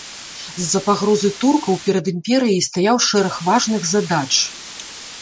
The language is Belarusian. З-за пагрозы туркаў перад імперыяй стаяў шэраг важных задач.